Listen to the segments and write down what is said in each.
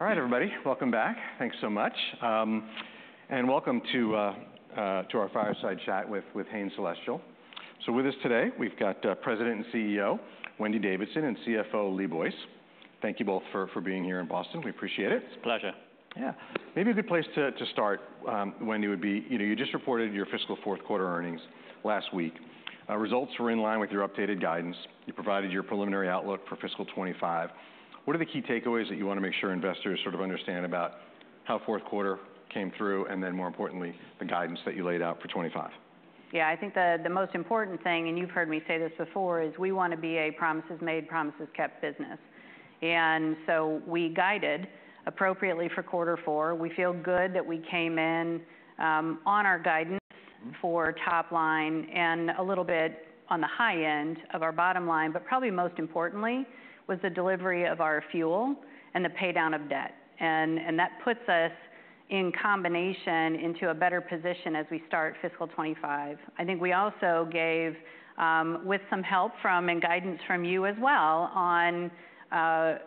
All right, everybody, welcome back. Thanks so much. And welcome to our fireside chat with Hain Celestial, so with us today, we've got President and CEO Wendy Davidson and CFO Lee Boyce. Thank you both for being here in Boston. We appreciate it. It's a pleasure. Yeah. Maybe a good place to start, Wendy, would be, you know, you just reported your fiscal fourth quarter earnings last week. Results were in line with your updated guidance. You provided your preliminary outlook for fiscal 2025. What are the key takeaways that you want to make sure investors sort of understand about how fourth quarter came through, and then more importantly, the guidance that you laid out for 2025? Yeah, I think the most important thing, and you've heard me say this before, is we want to be a promises made, promises kept business. And so we guided appropriately for quarter four. We feel good that we came in on our guidance for top line and a little bit on the high end of our bottom line, but probably most importantly, was the delivery of our free cash flow and the pay down of debt. And that puts us, in combination, into a better position as we start fiscal twenty-five. I think we also gave, with some help from, and guidance from you as well, on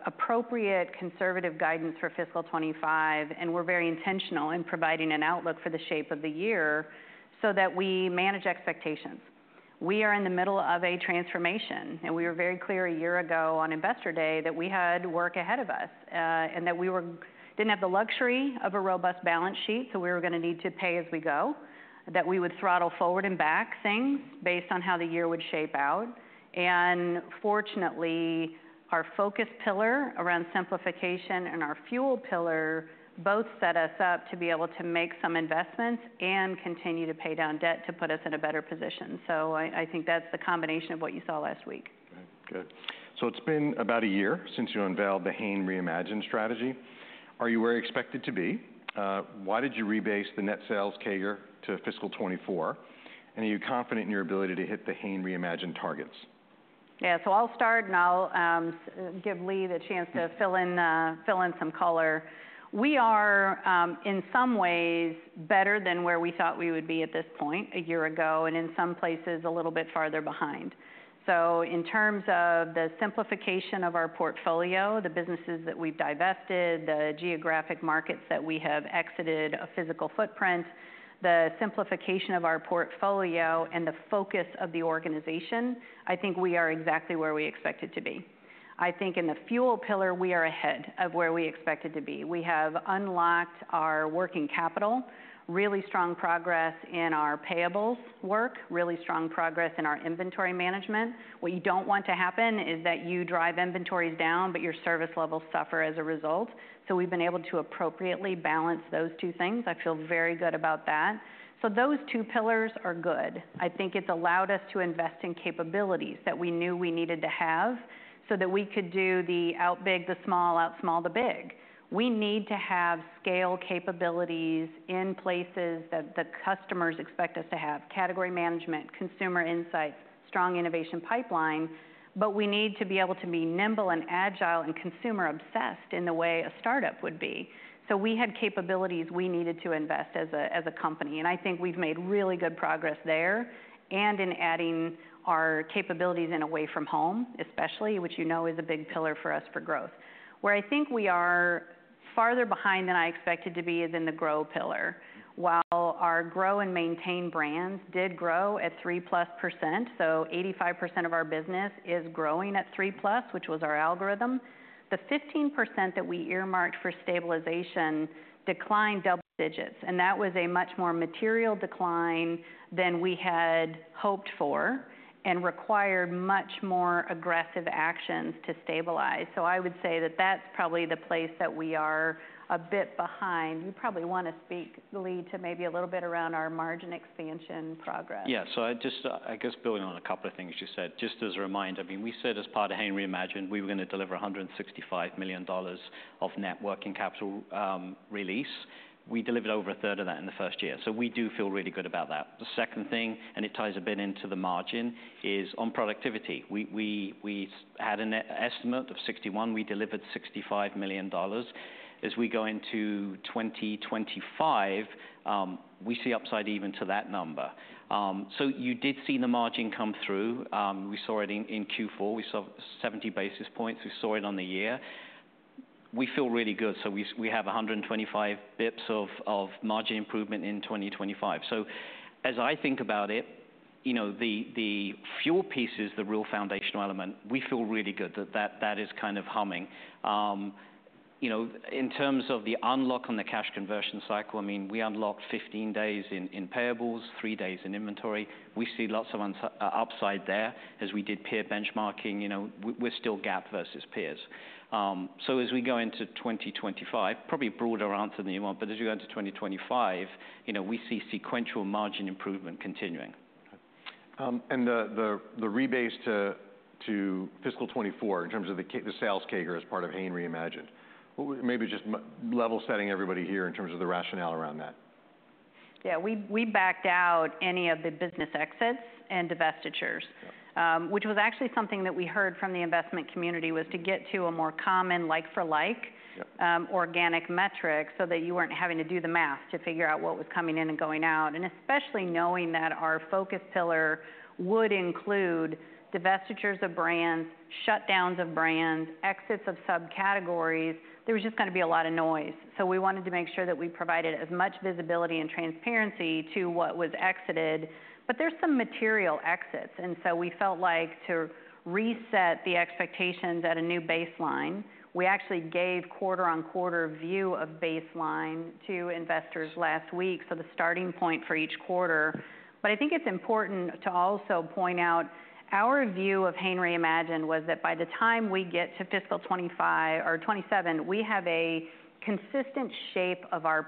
appropriate conservative guidance for fiscal twenty-five, and we're very intentional in providing an outlook for the shape of the year so that we manage expectations. We are in the middle of a transformation, and we were very clear a year ago on Investor Day that we had work ahead of us, and that we didn't have the luxury of a robust balance sheet, so we were gonna need to pay as we go, that we would throttle forward and back things based on how the year would shape out. And fortunately, our Focus pillar around simplification and our Fuel pillar both set us up to be able to make some investments and continue to pay down debt to put us in a better position. So I, I think that's the combination of what you saw last week. Okay, good. So it's been about a year since you unveiled the Hain Reimagined strategy. Are you where you expected to be? Why did you rebase the net sales CAGR to fiscal 2024? And are you confident in your ability to hit the Hain Reimagined targets? Yeah, so I'll start, and I'll give Lee the chance to fill in some color. We are in some ways better than where we thought we would be at this point a year ago, and in some places, a little bit farther behind. So in terms of the simplification of our portfolio, the businesses that we've divested, the geographic markets that we have exited, a physical footprint, the simplification of our portfolio and the focus of the organization, I think we are exactly where we expected to be. I think in the Fuel pillar, we are ahead of where we expected to be. We have unlocked our working capital, really strong progress in our payables work, really strong progress in our inventory management. What you don't want to happen is that you drive inventories down, but your service levels suffer as a result. So we've been able to appropriately balance those two things. I feel very good about that. So those two pillars are good. I think it's allowed us to invest in capabilities that we knew we needed to have so that we could do the out big, the small, out small, the big. We need to have scale capabilities in places that the customers expect us to have: category management, consumer insights, strong innovation pipeline, but we need to be able to be nimble and agile and consumer obsessed in the way a startup would be. So we had capabilities we needed to invest as a company, and I think we've made really good progress there, and in adding our capabilities in away-from-home, especially, which you know is a big pillar for us for growth. Where I think we are farther behind than I expected to be is in the Grow pillar. While our grow and maintain brands did grow at 3-plus%, so 85% of our business is growing at 3-plus%, which was our algorithm, the 15% that we earmarked for stabilization declined double digits, and that was a much more material decline than we had hoped for and required much more aggressive actions to stabilize. So I would say that that's probably the place that we are a bit behind. You probably want to speak, Lee, to maybe a little bit around our margin expansion progress. Yeah. So I just, I guess building on a couple of things you said, just as a reminder, I mean, we said as part of Hain Reimagined, we were gonna deliver $165 million of net working capital release. We delivered over a third of that in the first year, so we do feel really good about that. The second thing, and it ties a bit into the margin, is on productivity. We had an estimate of $61 million. We delivered $65 million. As we go into 2025, we see upside even to that number. So you did see the margin come through. We saw it in Q4. We saw 70 basis points. We saw it on the year. We feel really good, so we have 125 basis points of margin improvement in 2025. So as I think about it, you know, the fuel piece is the real foundational element. We feel really good that that is kind of humming. You know, in terms of the unlock on the cash conversion cycle, I mean, we unlocked 15 days in payables, three days in inventory. We see lots of upside there as we did peer benchmarking. You know, we're still gap versus peers. So as we go into 2025, probably a broader answer than you want, but as you go into 2025, you know, we see sequential margin improvement continuing. And the rebase to fiscal 2024 in terms of the sales CAGR as part of Hain Reimagined, maybe just level setting everybody here in terms of the rationale around that. Yeah, we backed out any of the business exits and divestitures- Yeah ... which was actually something that we heard from the investment community, was to get to a more common like for like- Yeah organic metric, so that you weren't having to do the math to figure out what was coming in and going out, and especially knowing that our Focus pillar would include divestitures of brands, shutdowns of brands, exits of subcategories, there was just gonna be a lot of noise. So we wanted to make sure that we provided as much visibility and transparency to what was exited. But there's some material exits, and so we felt like to reset the expectations at a new baseline, we actually gave quarter on quarter view of baseline to investors last week, so the starting point for each quarter. But I think it's important to also point out, our view of Hain Reimagined was that by the time we get to fiscal 25 or 27, we have a consistent shape of our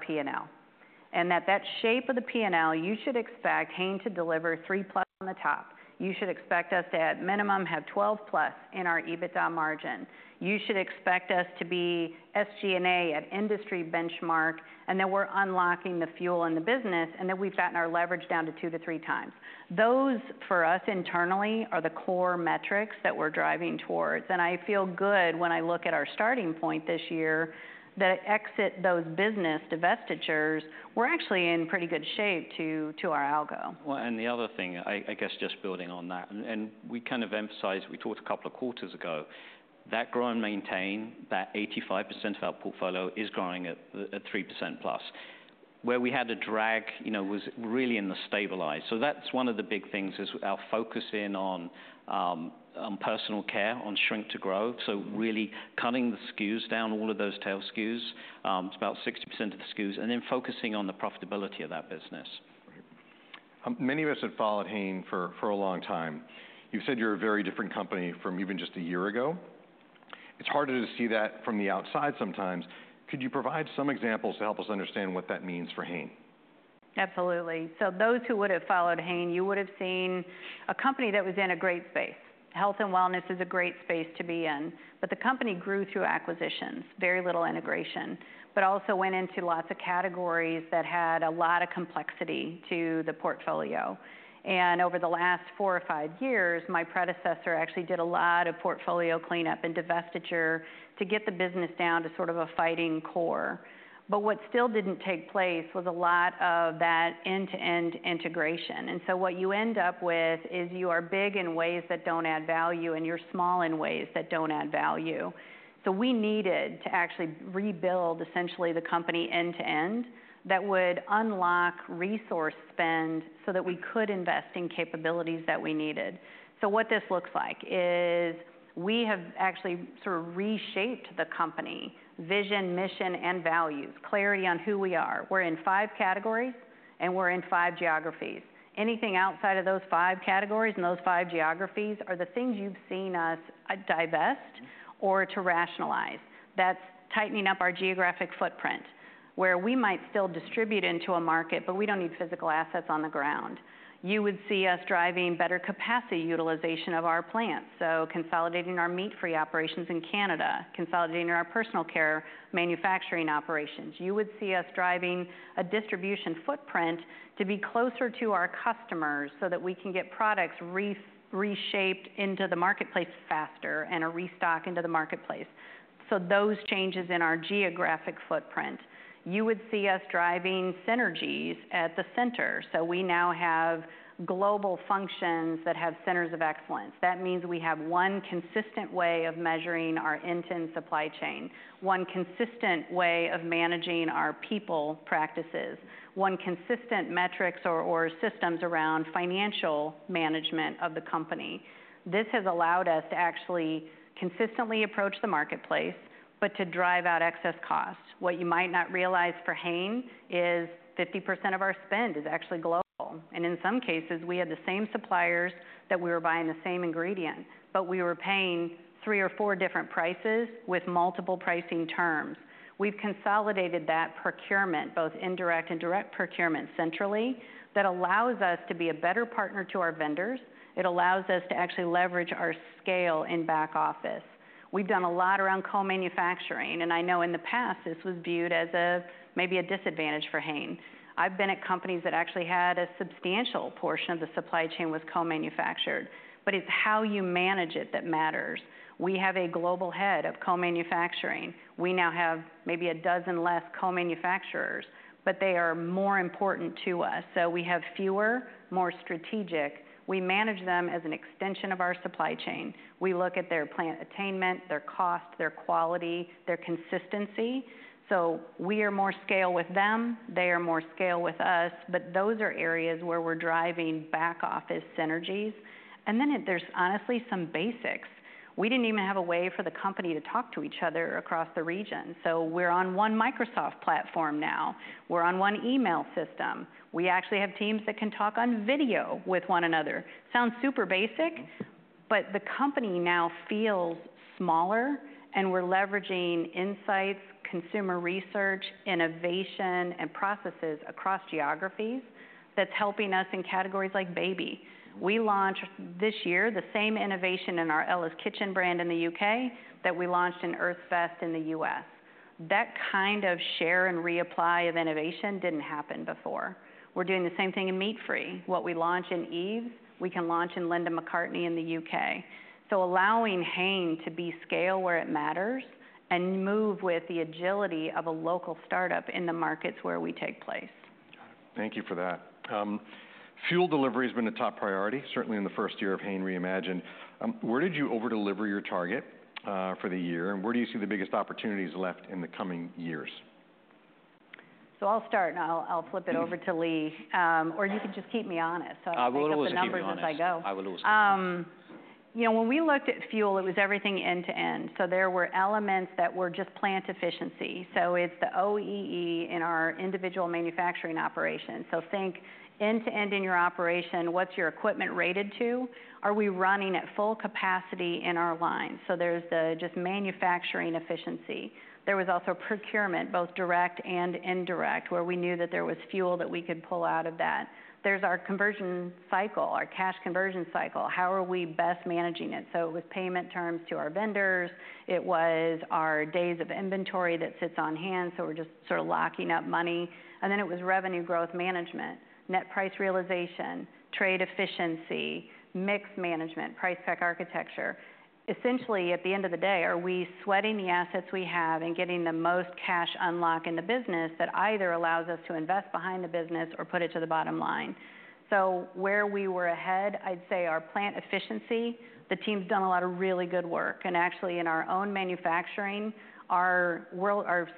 P&L. That shape of the P&L, you should expect Hain to deliver three plus on the top. You should expect us to, at minimum, have 12 plus in our EBITDA margin. You should expect us to be SG&A at industry benchmark, and that we're unlocking the fuel in the business, and that we've gotten our leverage down to two to three times. Those, for us internally, are the core metrics that we're driving towards, and I feel good when I look at our starting point this year, that exiting those business divestitures, we're actually in pretty good shape to our algo. And the other thing, I guess, just building on that, and we kind of emphasized, we talked a couple of quarters ago, that grow and maintain, that 85% of our portfolio is growing at 3% plus. Where we had a drag, you know, was really in the stabilize. So that's one of the big things is our focus in on personal care, on shrink to grow. So really cutting the SKUs down, all of those tail SKUs, it's about 60% of the SKUs, and then focusing on the profitability of that business. Right. Many of us have followed Hain for a long time. You said you're a very different company from even just a year ago. It's harder to see that from the outside sometimes. Could you provide some examples to help us understand what that means for Hain? Absolutely, so those who would have followed Hain, you would have seen a company that was in a great space. Health and wellness is a great space to be in, but the company grew through acquisitions, very little integration, but also went into lots of categories that had a lot of complexity to the portfolio, and over the last four or five years, my predecessor actually did a lot of portfolio cleanup and divestiture to get the business down to sort of a fighting core, but what still didn't take place was a lot of that end-to-end integration, and so what you end up with is you are big in ways that don't add value, and you're small in ways that don't add value. So we needed to actually rebuild, essentially, the company end to end, that would unlock resource spend so that we could invest in capabilities that we needed. So what this looks like is we have actually sort of reshaped the company, vision, mission, and values, clarity on who we are. We're in five categories, and we're in five geographies. Anything outside of those five categories and those five geographies are the things you've seen us divest or to rationalize. That's tightening up our geographic footprint, where we might still distribute into a market, but we don't need physical assets on the ground. You would see us driving better capacity utilization of our plants, so consolidating our meat-free operations in Canada, consolidating our personal care manufacturing operations. You would see us driving a distribution footprint to be closer to our customers so that we can get products reshaped into the marketplace faster and a restock into the marketplace. So those changes in our geographic footprint. You would see us driving synergies at the center. So we now have global functions that have centers of excellence. That means we have one consistent way of measuring our end-to-end supply chain, one consistent way of managing our people practices, one consistent metrics or systems around financial management of the company. This has allowed us to actually consistently approach the marketplace, but to drive out excess costs. What you might not realize for Hain is 50% of our spend is actually global, and in some cases, we had the same suppliers that we were buying the same ingredient, but we were paying three or four different prices with multiple pricing terms. We've consolidated that procurement, both indirect and direct procurement, centrally. That allows us to be a better partner to our vendors. It allows us to actually leverage our scale in back office. We've done a lot around co-manufacturing, and I know in the past, this was viewed as a, maybe a disadvantage for Hain. I've been at companies that actually had a substantial portion of the supply chain was co-manufactured, but it's how you manage it that matters. We have a global head of co-manufacturing. We now have maybe a dozen less co-manufacturers, but they are more important to us. So we have fewer, more strategic. We manage them as an extension of our supply chain. We look at their plant attainment, their cost, their quality, their consistency. So we are more scale with them, they are more scale with us, but those are areas where we're driving back office synergies. And then there's honestly some basics. We didn't even have a way for the company to talk to each other across the region. So we're on one Microsoft platform now. We're on one email system. We actually have teams that can talk on video with one another. Sounds super basic, but the company now feels smaller, and we're leveraging insights, consumer research, innovation, and processes across geographies that's helping us in categories like baby. We launched this year, the same innovation in our Ella's Kitchen brand in the UK, that we launched in Earth's Best in the US. That kind of sharing and reapplying of innovation didn't happen before. We're doing the same thing in meat-free. What we launch in Yves, we can launch in Linda McCartney in the UK. So allowing Hain to achieve scale where it matters and move with the agility of a local startup in the markets where we operate.... Thank you for that. Fuel delivery has been a top priority, certainly in the first year of Hain Reimagined. Where did you over-deliver your target for the year, and where do you see the biggest opportunities left in the coming years? So I'll start, and I'll flip it over to Lee, or you can just keep me on it, so- I will always keep you on it. I'll give the numbers as I go. I will always keep you on it. You know, when we looked at fuel, it was everything end to end. So there were elements that were just plant efficiency. So it's the OEE in our individual manufacturing operations. So think end to end in your operation, what's your equipment rated to? Are we running at full capacity in our lines? So there's the just manufacturing efficiency. There was also procurement, both direct and indirect, where we knew that there was fuel that we could pull out of that. There's our conversion cycle, our cash conversion cycle. How are we best managing it? So it was payment terms to our vendors. It was our days of inventory that sits on hand, so we're just sort of locking up money. And then it was revenue growth management, net price realization, trade efficiency, mix management, price pack architecture. Essentially, at the end of the day, are we sweating the assets we have and getting the most cash unlock in the business that either allows us to invest behind the business or put it to the bottom line? So where we were ahead, I'd say our plant efficiency. The team's done a lot of really good work, and actually, in our own manufacturing, our world-class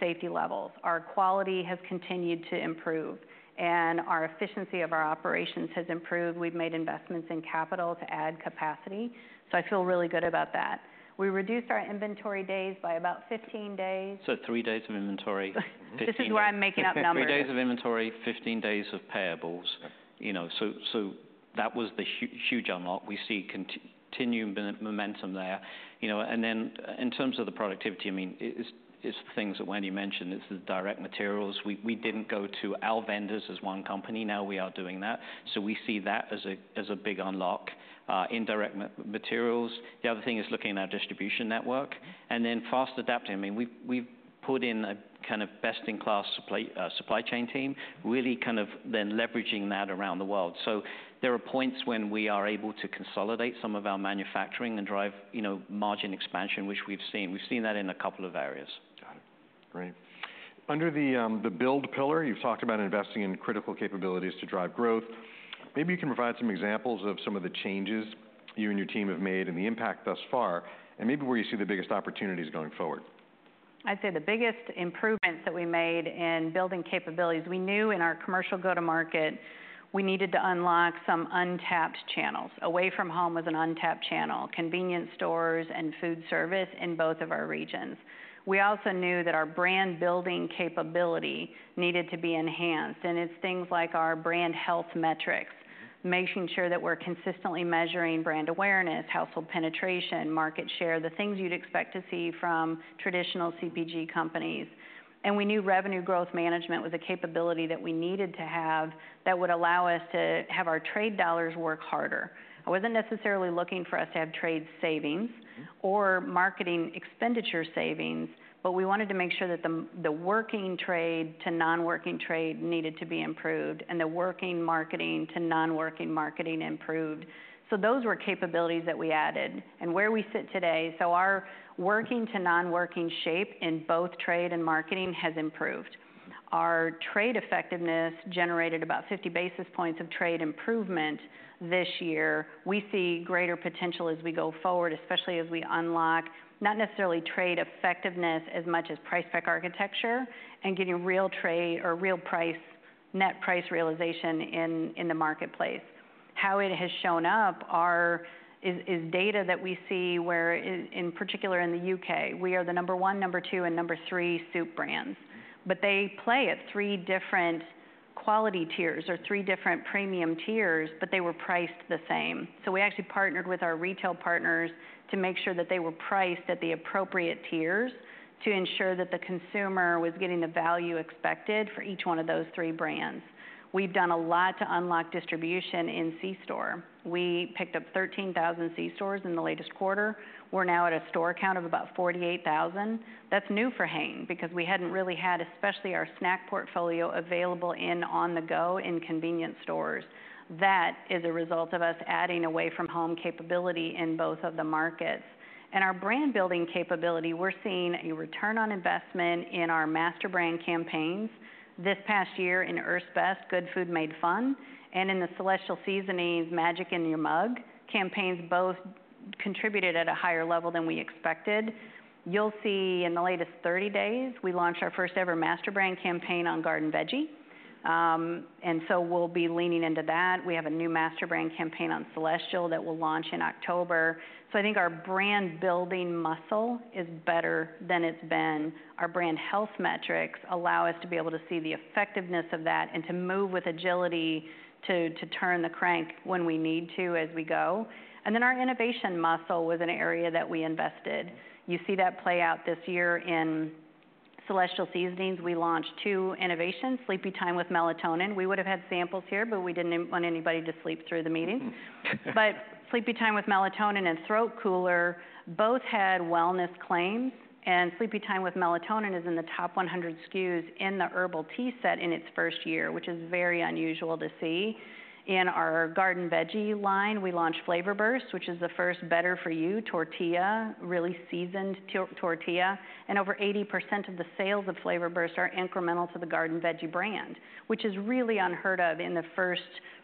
safety levels. Our quality has continued to improve, and our efficiency of our operations has improved. We've made investments in capital to add capacity, so I feel really good about that. We reduced our inventory days by about fifteen days. Three days of inventory, 15- This is where I'm making up numbers. Three days of inventory, 15days of payables. You know, so that was the huge unlock. We see continuing momentum there. You know, and then in terms of the productivity, I mean, it's the things that Wendy mentioned. It's the direct materials. We didn't go to our vendors as one company. Now we are doing that. So we see that as a big unlock in direct materials. The other thing is looking at our distribution network and then fast adapting. I mean, we've put in a kind of best-in-class supply chain team, really kind of then leveraging that around the world. So there are points when we are able to consolidate some of our manufacturing and drive, you know, margin expansion, which we've seen. We've seen that in a couple of areas. Got it. Great. Under the Build pillar, you've talked about investing in critical capabilities to drive growth. Maybe you can provide some examples of some of the changes you and your team have made and the impact thus far, and maybe where you see the biggest opportunities going forward? I'd say the biggest improvements that we made in building capabilities. We knew in our commercial go-to-market, we needed to unlock some untapped channels. Away from home was an untapped channel, convenience stores and food service in both of our regions. We also knew that our brand-building capability needed to be enhanced, and it's things like our brand health metrics, making sure that we're consistently measuring brand awareness, household penetration, market share, the things you'd expect to see from traditional CPG companies, and we knew revenue growth management was a capability that we needed to have that would allow us to have our trade dollars work harder. I wasn't necessarily looking for us to have trade savings or marketing expenditure savings, but we wanted to make sure that the working trade to non-working trade needed to be improved and the working marketing to non-working marketing improved. Those were capabilities that we added. Where we sit today, our working to non-working shape in both trade and marketing has improved. Our trade effectiveness generated about 50 basis points of trade improvement this year. We see greater potential as we go forward, especially as we unlock, not necessarily trade effectiveness, as much as price-pack architecture and getting real trade or real price, net price realization in the marketplace. How it has shown up is data that we see where, in particular, in the U.K., we are the number one, number two, and number three soup brands, but they play at three different quality tiers or three different premium tiers, but they were priced the same. So we actually partnered with our retail partners to make sure that they were priced at the appropriate tiers to ensure that the consumer was getting the value expected for each one of those three brands. We've done a lot to unlock distribution in C-store. We picked up 13,000 C-stores in the latest quarter. We're now at a store count of about 48,000. That's new for Hain, because we hadn't really had, especially our snack portfolio, available in on the go in convenience stores. That is a result of us adding away from home capability in both of the markets, and our brand-building capability. We're seeing a return on investment in our master brand campaigns. This past year in Earth's Best, Good Food Made Fun, and in the Celestial Seasonings, Magic in Your Mug campaigns both contributed at a higher level than we expected. You'll see in the latest 30 days, we launched our first-ever master brand campaign on Garden Veggie. And so we'll be leaning into that. We have a new master brand campaign on Celestial that will launch in October. So I think our brand-building muscle is better than it's been. Our brand health metrics allow us to be able to see the effectiveness of that and to move with agility to turn the crank when we need to, as we go. And then our innovation muscle was an area that we invested. You see that play out this year in Celestial Seasonings. We launched two innovations, Sleepytime with Melatonin. We would have had samples here, but we didn't want anybody to sleep through the meeting... But Sleepytime with Melatonin and Throat Cooler both had wellness claims, and Sleepytime with Melatonin is in the top 100 SKUs in the herbal tea set in its first year, which is very unusual to see. In our Garden Veggie line, we launched Flavor Burst, which is the first better-for-you tortilla, really seasoned tortilla, and over 80% of the sales of Flavor Burst are incremental to the Garden Veggie brand, which is really unheard of in the first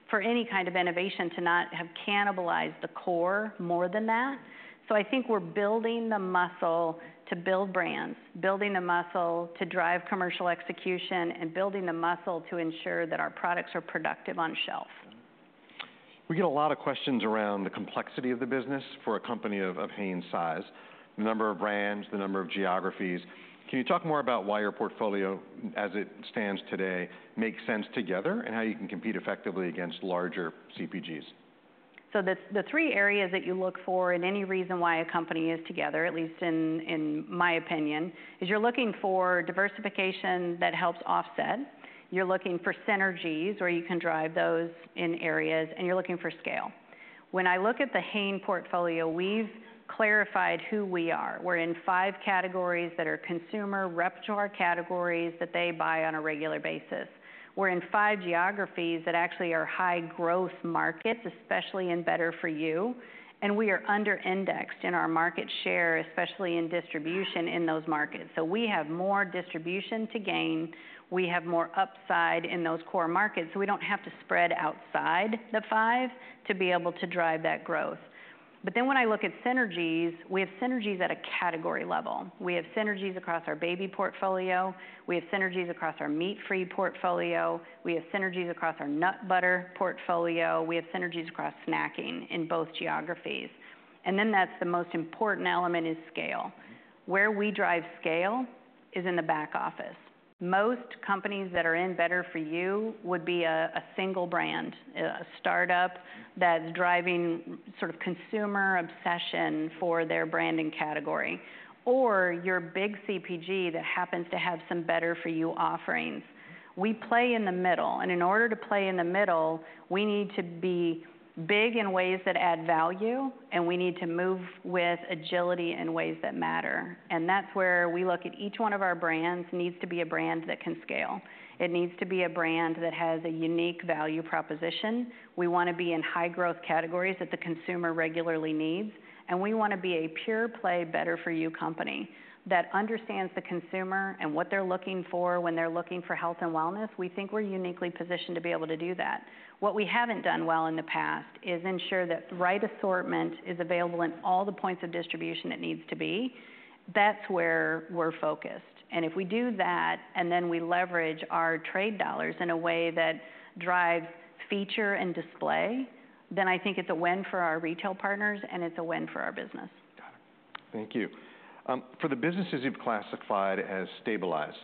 for any kind of innovation to not have cannibalized the core more than that. So I think we're building the muscle to build brands, building the muscle to drive commercial execution, and building the muscle to ensure that our products are productive on shelf. We get a lot of questions around the complexity of the business for a company of Hain size, the number of brands, the number of geographies. Can you talk more about why your portfolio, as it stands today, makes sense together, and how you can compete effectively against larger CPGs? So the three areas that you look for in any reason why a company is together, at least in my opinion, is you're looking for diversification that helps offset, you're looking for synergies where you can drive those in areas, and you're looking for scale. When I look at the Hain portfolio, we've clarified who we are. We're in five categories that are consumer repertoire categories that they buy on a regular basis. We're in five geographies that actually are high-growth markets, especially in better for you, and we are under-indexed in our market share, especially in distribution in those markets. So we have more distribution to gain, we have more upside in those core markets, so we don't have to spread outside the five to be able to drive that growth. But then when I look at synergies, we have synergies at a category level. We have synergies across our baby portfolio, we have synergies across our meat-free portfolio, we have synergies across our nut butter portfolio, we have synergies across snacking in both geographies. And then that's the most important element is scale. Where we drive scale is in the back office. Most companies that are in better for you would be a single brand, a startup that's driving sort of consumer obsession for their brand and category, or your big CPG that happens to have some better for you offerings. We play in the middle, and in order to play in the middle, we need to be big in ways that add value, and we need to move with agility in ways that matter. And that's where we look at each one of our brands needs to be a brand that can scale. It needs to be a brand that has a unique value proposition. We want to be in high-growth categories that the consumer regularly needs, and we want to be a pure play, better for you company that understands the consumer and what they're looking for when they're looking for health and wellness. We think we're uniquely positioned to be able to do that. What we haven't done well in the past is ensure that the right assortment is available in all the points of distribution it needs to be. That's where we're focused. And if we do that, and then we leverage our trade dollars in a way that drives feature and display, then I think it's a win for our retail partners, and it's a win for our business. Got it. Thank you. For the businesses you've classified as stabilized,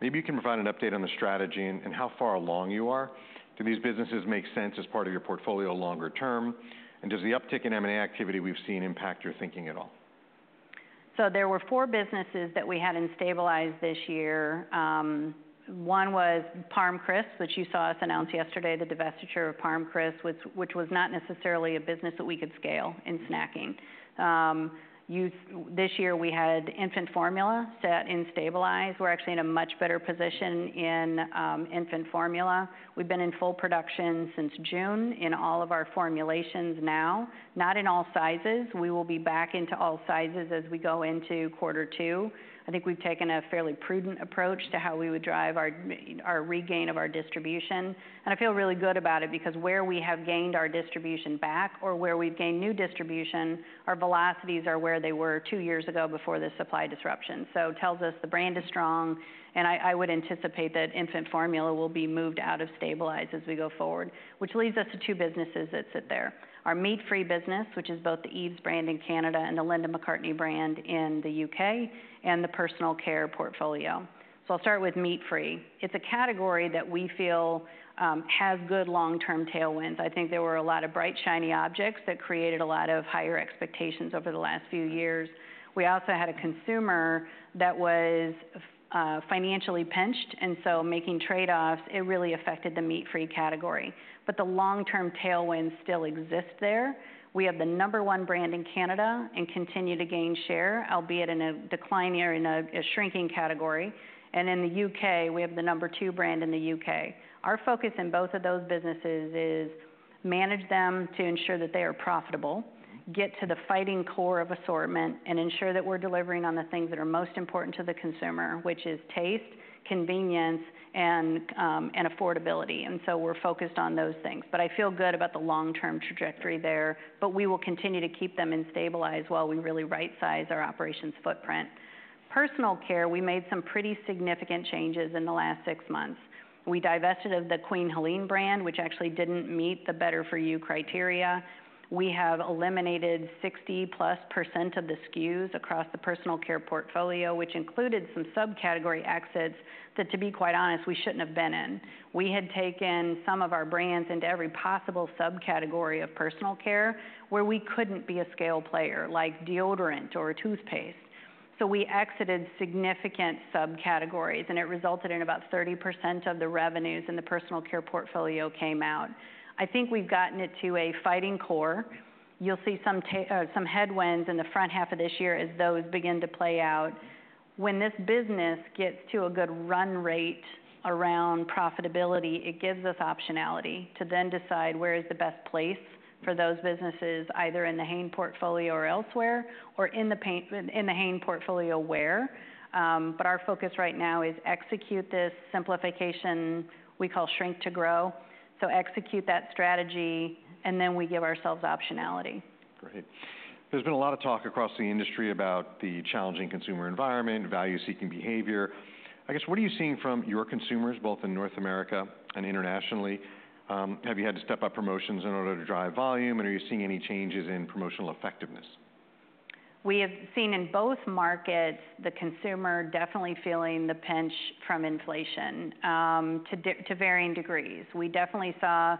maybe you can provide an update on the strategy and how far along you are. Do these businesses make sense as part of your portfolio longer term? And does the uptick in M&A activity we've seen impact your thinking at all? So there were four businesses that we had to stabilize this year. One was ParmCrisps, which you saw us announce yesterday, the divestiture of ParmCrisps, which was not necessarily a business that we could scale in snacking. Yves. This year, we had infant formula set to stabilize. We're actually in a much better position in infant formula. We've been in full production since June in all of our formulations now, not in all sizes. We will be back into all sizes as we go into quarter two. I think we've taken a fairly prudent approach to how we would drive our regain of our distribution. And I feel really good about it because where we have gained our distribution back or where we've gained new distribution, our velocities are where they were two years ago before the supply disruption. So it tells us the brand is strong, and I would anticipate that infant formula will be moved out of stabilize as we go forward, which leads us to two businesses that sit there. Our meat-free business, which is both the Yves brand in Canada and the Linda McCartney brand in the U.K., and the personal care portfolio. So I'll start with meat-free. It's a category that we feel has good long-term tailwinds. I think there were a lot of bright, shiny objects that created a lot of higher expectations over the last few years. We also had a consumer that was financially pinched, and so making trade-offs, it really affected the meat-free category. But the long-term tailwinds still exist there. We have the number one brand in Canada and continue to gain share, albeit in a decline area, in a shrinking category. In the U.K., we have the number two brand in the U.K. Our focus in both of those businesses is manage them to ensure that they are profitable, get to the fighting core of assortment, and ensure that we're delivering on the things that are most important to the consumer, which is taste, convenience, and affordability. We're focused on those things. I feel good about the long-term trajectory there, but we will continue to keep them in stabilize while we really right-size our operations footprint. Personal care, we made some pretty significant changes in the last six months. We divested of the Queen Helene brand, which actually didn't meet the better for you criteria. We have eliminated 60%+ of the SKUs across the personal care portfolio, which included some subcategory exits that, to be quite honest, we shouldn't have been in. We had taken some of our brands into every possible subcategory of personal care where we couldn't be a scale player, like deodorant or toothpaste. So we exited significant subcategories, and it resulted in about 30% of the revenues in the personal care portfolio came out. I think we've gotten it to a fighting core. You'll see some headwinds in the front half of this year as those begin to play out. When this business gets to a good run rate around profitability, it gives us optionality to then decide where is the best place for those businesses, either in the Hain portfolio or elsewhere, or in the Hain portfolio where, but our focus right now is execute this simplification we call shrink to grow. So execute that strategy, and then we give ourselves optionality. Great. There's been a lot of talk across the industry about the challenging consumer environment, value-seeking behavior. I guess, what are you seeing from your consumers, both in North America and internationally? Have you had to step up promotions in order to drive volume, and are you seeing any changes in promotional effectiveness? We have seen in both markets, the consumer definitely feeling the pinch from inflation, to varying degrees. We definitely saw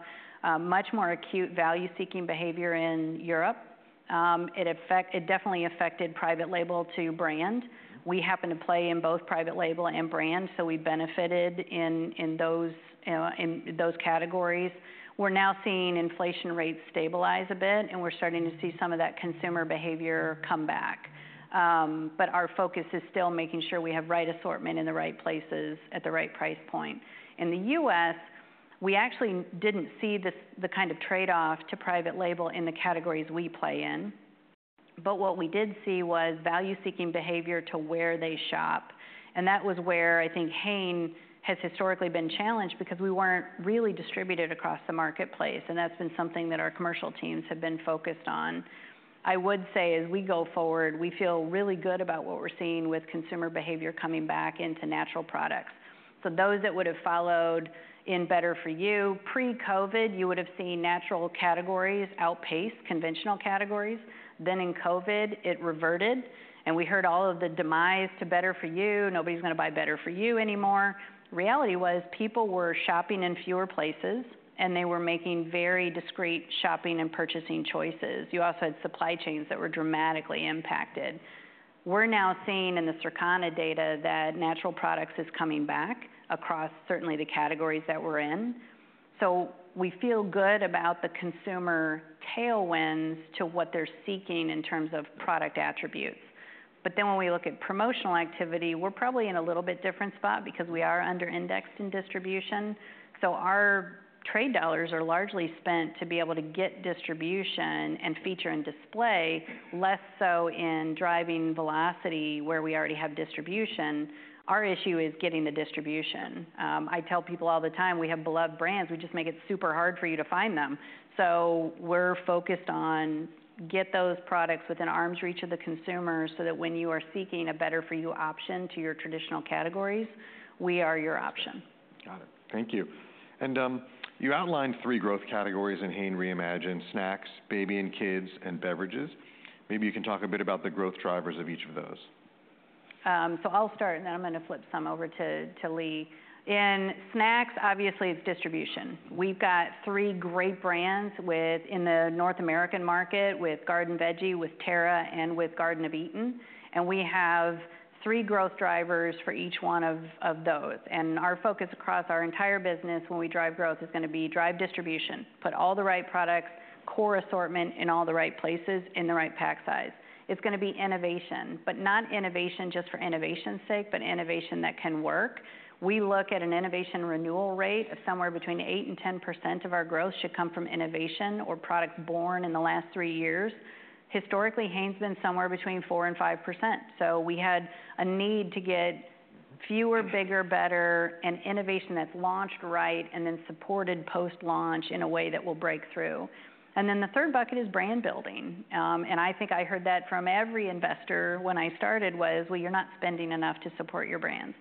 much more acute value-seeking behavior in Europe. It definitely affected private label to brand. We happen to play in both private label and brand, so we benefited in those categories. We're now seeing inflation rates stabilize a bit, and we're starting to see some of that consumer behavior come back, but our focus is still making sure we have right assortment in the right places at the right price point. In the U.S., we actually didn't see this, the kind of trade-off to private label in the categories we play in, but what we did see was value-seeking behavior to where they shop, and that was where I think Hain has historically been challenged because we weren't really distributed across the marketplace, and that's been something that our commercial teams have been focused on. I would say, as we go forward, we feel really good about what we're seeing with consumer behavior coming back into natural products. So those that would have followed in Better For You, pre-COVID, you would have seen natural categories outpace conventional categories. Then in COVID, it reverted, and we heard all of the demise to Better For You. "Nobody's gonna buy Better For You anymore." Reality was, people were shopping in fewer places, and they were making very discreet shopping and purchasing choices. You also had supply chains that were dramatically impacted. We're now seeing in the Circana data that natural products is coming back across certainly the categories that we're in. So we feel good about the consumer tailwinds to what they're seeking in terms of product attributes. But then when we look at promotional activity, we're probably in a little bit different spot because we are under-indexed in distribution, so our trade dollars are largely spent to be able to get distribution and feature and display, less so in driving velocity where we already have distribution. Our issue is getting the distribution. I tell people all the time, "We have beloved brands. We just make it super hard for you to find them. So we're focused on getting those products within arm's reach of the consumer, so that when you are seeking a better-for-you option to your traditional categories, we are your option. Got it. Thank you. And, you outlined three growth categories in Hain Reimagined: snacks, baby and kids, and beverages. Maybe you can talk a bit about the growth drivers of each of those. So I'll start, and then I'm gonna flip some over to Lee. In snacks, obviously, it's distribution. We've got three great brands with in the North American market, with Garden Veggie, with Terra, and with Garden of Eatin', and we have three growth drivers for each one of those. And our focus across our entire business when we drive growth is gonna be drive distribution, put all the right products, core assortment in all the right places, in the right pack size. It's gonna be innovation, but not innovation just for innovation's sake, but innovation that can work. We look at an innovation renewal rate of somewhere between eight and 10% of our growth should come from innovation or products born in the last three years. Historically, Hain's been somewhere between 4% and 5%, so we had a need to get fewer, bigger, better, and innovation that's launched right and then supported post-launch in a way that will break through. And then the third bucket is brand building. And I think I heard that from every investor when I started was: "Well, you're not spending enough to support your brands."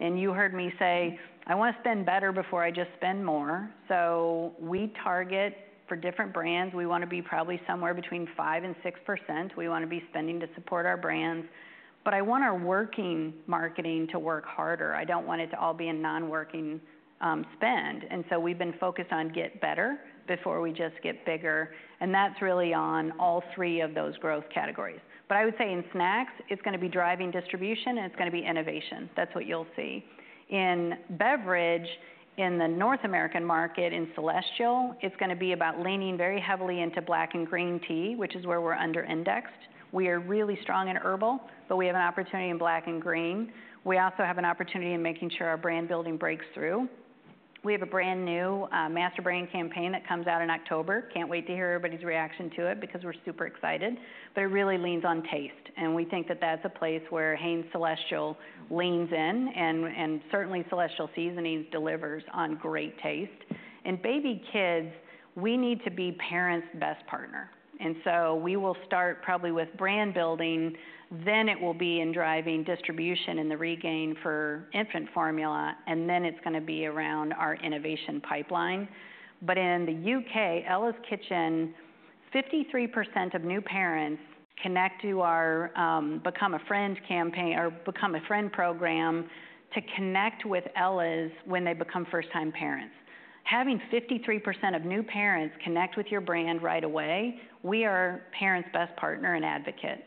And you heard me say, "I wanna spend better before I just spend more." So we target for different brands. We wanna be probably somewhere between 5% and 6%. We wanna be spending to support our brands, but I want our working marketing to work harder. I don't want it to all be a non-working, spend, and so we've been focused on get better before we just get bigger, and that's really on all three of those growth categories. But I would say in snacks, it's gonna be driving distribution, and it's gonna be innovation. That's what you'll see. In beverage, in the North American market, in Celestial, it's gonna be about leaning very heavily into black and green tea, which is where we're under-indexed. We are really strong in herbal, but we have an opportunity in black and green. We also have an opportunity in making sure our brand building breaks through. We have a brand-new master brand campaign that comes out in October. Can't wait to hear everybody's reaction to it because we're super excited, but it really leans on taste, and we think that that's a place where Hain Celestial leans in, and certainly Celestial Seasonings delivers on great taste. In baby kids, we need to be parents' best partner, and so we will start probably with brand building, then it will be in driving distribution in the regain for infant formula, and then it's gonna be around our innovation pipeline. But in the U.K., Ella's Kitchen, 53% of new parents connect to our, Become a Friend campaign or Become a Friend program to connect with Ella's when they become first-time parents. Having 53% of new parents connect with your brand right away, we are parents' best partner and advocate.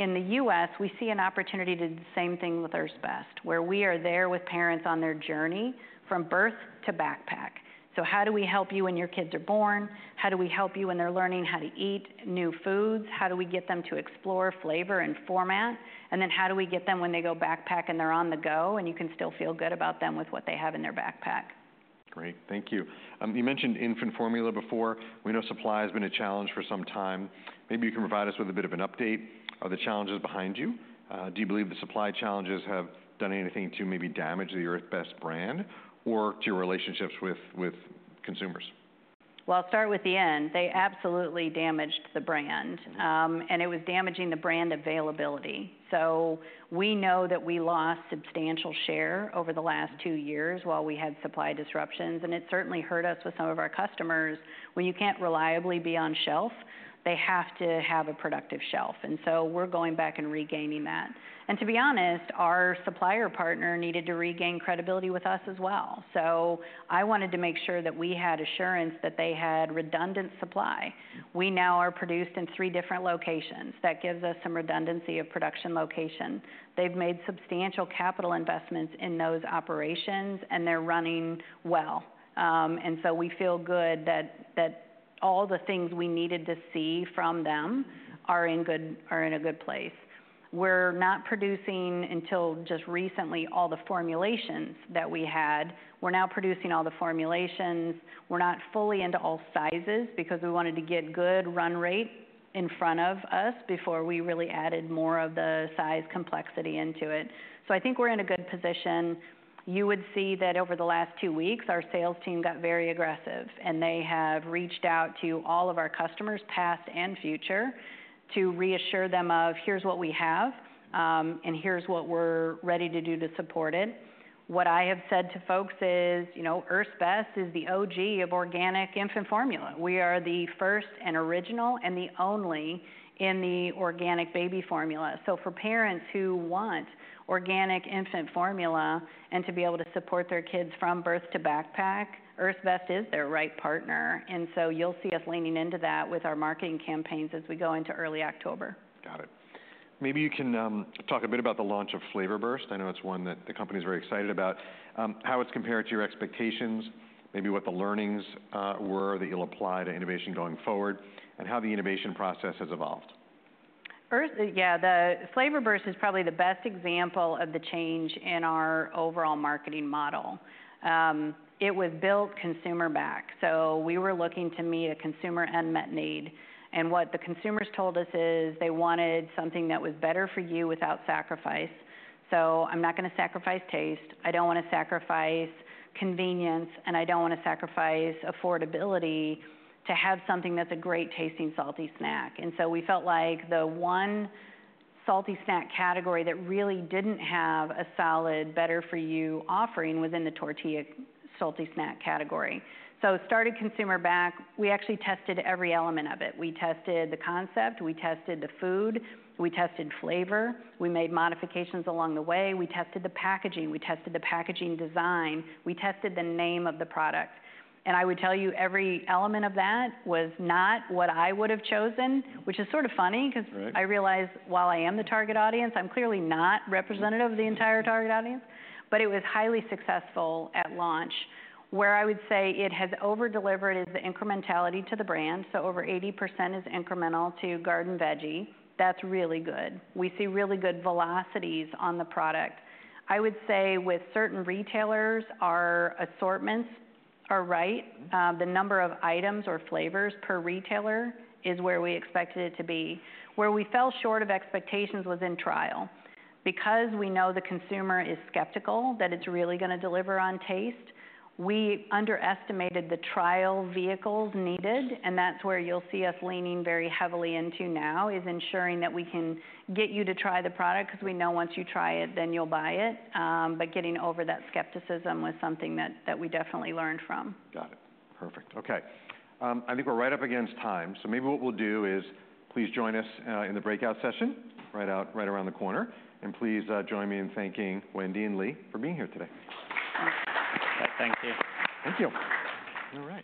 In the U.S., we see an opportunity to do the same thing with Earth's Best, where we are there with parents on their journey from birth to backpack.... So how do we help you when your kids are born? How do we help you when they're learning how to eat new foods? How do we get them to explore flavor and format? And then how do we get them when they go backpack and they're on the go, and you can still feel good about them with what they have in their backpack? Great, thank you. You mentioned infant formula before. We know supply has been a challenge for some time. Maybe you can provide us with a bit of an update. Are the challenges behind you? Do you believe the supply challenges have done anything to maybe damage the Earth's Best brand or to your relationships with, with consumers? I'll start with the end. They absolutely damaged the brand- Mm-hmm. And it was damaging the brand availability. So we know that we lost substantial share over the last two years while we had supply disruptions, and it certainly hurt us with some of our customers. When you can't reliably be on shelf, they have to have a productive shelf, and so we're going back and regaining that. And to be honest, our supplier partner needed to regain credibility with us as well. So I wanted to make sure that we had assurance that they had redundant supply. We now are produced in three different locations. That gives us some redundancy of production location. They've made substantial capital investments in those operations, and they're running well. And so we feel good that all the things we needed to see from them are in a good place. We're not producing, until just recently, all the formulations that we had. We're now producing all the formulations. We're not fully into all sizes because we wanted to get good run rate in front of us before we really added more of the size complexity into it. So I think we're in a good position. You would see that over the last two weeks, our sales team got very aggressive, and they have reached out to all of our customers, past and future, to reassure them of, "Here's what we have, and here's what we're ready to do to support it." What I have said to folks is, "You know, Earth's Best is the OG of organic infant formula." We are the first and original and the only in the organic baby formula. So for parents who want organic infant formula and to be able to support their kids from birth to backpack, Earth's Best is their right partner, and so you'll see us leaning into that with our marketing campaigns as we go into early October. Got it. Maybe you can talk a bit about the launch of Flavor Burst. I know it's one that the company is very excited about. How it's compared to your expectations, maybe what the learnings were that you'll apply to innovation going forward, and how the innovation process has evolved? Yeah, the Flavor Burst is probably the best example of the change in our overall marketing model. It was built consumer back, so we were looking to meet a consumer unmet need, and what the consumers told us is they wanted something that was better for you without sacrifice. So I'm not gonna sacrifice taste, I don't want to sacrifice convenience, and I don't want to sacrifice affordability to have something that's a great-tasting salty snack. And so we felt like the one salty snack category that really didn't have a solid, better-for-you offering was in the tortilla salty snack category. So it started consumer back. We actually tested every element of it. We tested the concept, we tested the food, we tested flavor, we made modifications along the way, we tested the packaging, we tested the packaging design, we tested the name of the product. I would tell you, every element of that was not what I would have chosen, which is sort of funny- Right... 'cause I realize, while I am the target audience, I'm clearly not representative of the entire target audience. But it was highly successful at launch. Where I would say it has over-delivered is the incrementality to the brand, so over 80% is incremental to Garden Veggie. That's really good. We see really good velocities on the product. I would say with certain retailers, our assortments are right. The number of items or flavors per retailer is where we expected it to be. Where we fell short of expectations was in trial. Because we know the consumer is skeptical that it's really gonna deliver on taste, we underestimated the trial vehicles needed, and that's where you'll see us leaning very heavily into now, is ensuring that we can get you to try the product, 'cause we know once you try it, then you'll buy it. But getting over that skepticism was something that we definitely learned from. Got it. Perfect. Okay, I think we're right up against time, so maybe what we'll do is please join us in the breakout session, right around the corner, and please join me in thanking Wendy and Lee for being here today. Thank you. Thank you. All right.